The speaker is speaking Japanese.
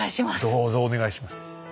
どうぞお願いします。